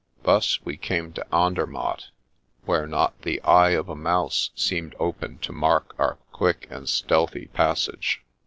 Thus we came to Andermatt, where not the eye of a mouse seemed open to mark our quick and stealthy passage.